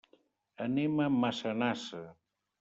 Anem a Massanassa.